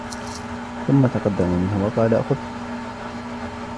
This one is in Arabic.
ثم تقدم منه وقال خذ